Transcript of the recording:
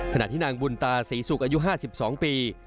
ขณะที่นางบุญตาศรีศุกร์อายุ๕๒ปี